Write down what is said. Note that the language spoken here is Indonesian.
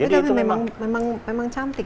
itu memang cantik